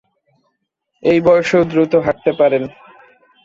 এই বয়সেও দ্রুত হাঁটতে পারেন।